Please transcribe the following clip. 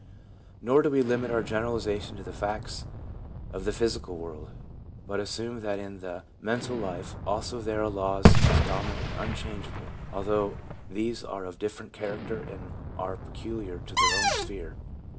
INTRODUCTION 3 Nor do we limit our generalisation to the facts of the physical world, but assume that in the mental life also there are laws as dominant and unchange able, although these are of different character and are peculiar to their own sphere.